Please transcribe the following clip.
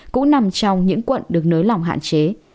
cũng nằm trong những quận được nới lỏng hạn chế